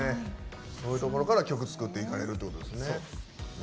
そういうところから曲作っていかれるということですね。